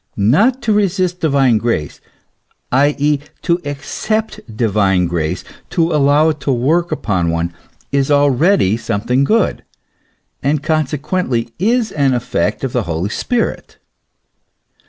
Not to resist divine grace, i. e., to accept divine grace, to allow it to work upon one, is already something good, and consequently is an effect of the Holy Spirit.